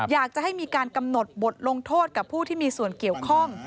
อยากจะให้มีการกำหนดบทลงโทษกับผู้ที่มีส่วนเกี่ยวข้อง